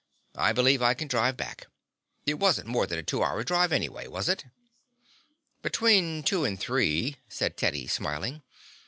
I believe I can drive back. It wasn't more than a two hour drive anyway, was it?' "Between two and three," said Teddy, smiling.